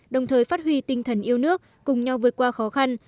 đồng thời phát huy tinh thần yêu nước cùng nhau vượt qua khó khăn